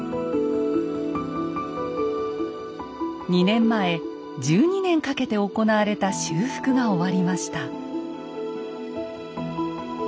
２年前１２年かけて行われた修復が終わりました。